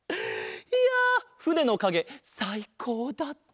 いやふねのかげさいこうだった！